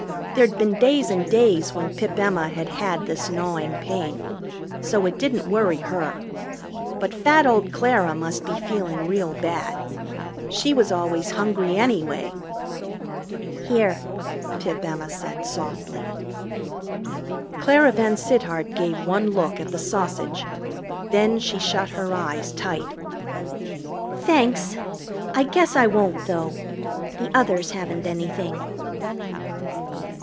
There'd been days and days when Pip Emma had had this gnawing pain. So it didn't worry her. But fat old Clara must be feeling real bad. She was always hungry anyway. "Here," Pip Emma said softly. Clara VanSittart gave one look at the sausage. Then she shut her eyes tight. "Thanks I guess I won't, though. The others haven't anything."